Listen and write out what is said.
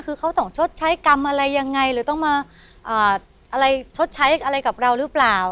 คือเขาต้องชดใช้กรรมอะไรยังไงหรือต้องมาอะไรชดใช้อะไรกับเราหรือเปล่า